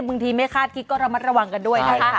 ไม่คาดคิดก็ระมัดระวังกันด้วยนะคะ